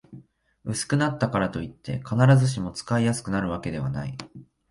薄くなったからといって、必ずしも使いやすくなるわけではない